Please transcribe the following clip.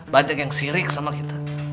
banyak yang sirik sama kita